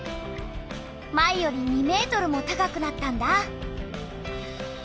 前より２ｍも高くなったんだ。